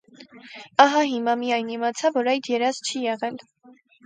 Ահա հիմա միայն իմացա, որ այդ երազ չի եղել: